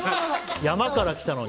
山から来たのに。